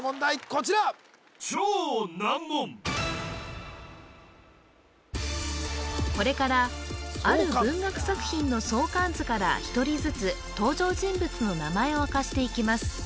こちらこれからある文学作品の相関図から１人ずつ登場人物の名前を明かしていきます